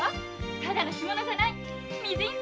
ただの干物じゃないよ。